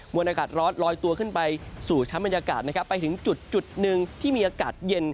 วนอากาศร้อนลอยตัวขึ้นไปสู่ชั้นบรรยากาศนะครับไปถึงจุดหนึ่งที่มีอากาศเย็น